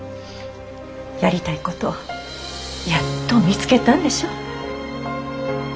やりたいことやっと見つけたんでしょ？